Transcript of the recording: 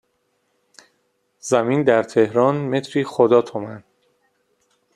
زمین در تهران متری خدا تومن